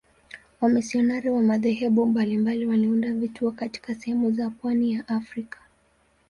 Wamisionari wa madhehebu mbalimbali waliunda vituo katika sehemu za pwani ya Afrika.